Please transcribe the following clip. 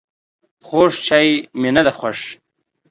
خوږ چای مي نده خوښ